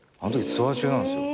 ツアー中なんですよ。